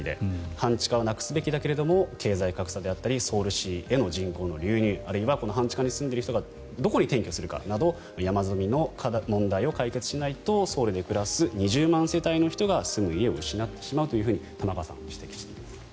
半地下はなくすべきだけれども経済格差であったりソウル市への人口の流入あるいは半地下に住んでいる人がどこに転居するかなど山積みの問題を解決しないとソウルで暮らす２０万世帯の人が住む家を失ってしまうというふうに玉川さん、指摘しています。